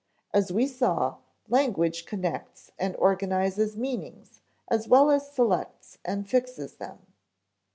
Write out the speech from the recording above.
As we saw, language connects and organizes meanings as well as selects and fixes them.